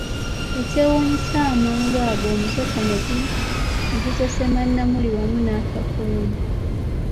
Ekyewunyiisa amangu ago omusota ne gusesema Namuli wamu n'akakooyi!